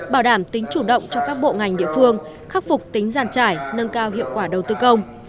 bảo đảm tính chủ động cho các bộ ngành địa phương khắc phục tính giàn trải nâng cao hiệu quả đầu tư công